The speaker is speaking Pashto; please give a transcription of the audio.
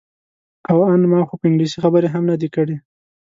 او ان ما خو په انګلیسي خبرې هم نه دي کړې.